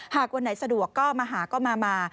วันไหนสะดวกก็มาหาก็มา